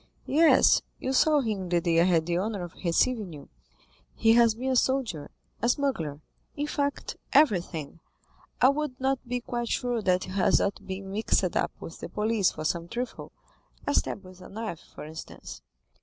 "Yes, you saw him the day I had the honor of receiving you; he has been a soldier, a smuggler—in fact, everything. I would not be quite sure that he has not been mixed up with the police for some trifle—a stab with a knife, for instance."